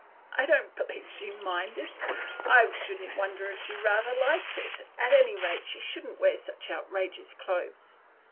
"I don't believe she minded — I shouldn't wonder if she rather liked it. At any rate, she shouldn't wear such outrageous clothes.